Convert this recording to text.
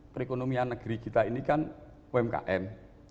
perekonomian negeri kita ini kan umkm